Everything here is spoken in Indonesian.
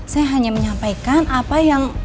saya hanya menyampaikan apa yang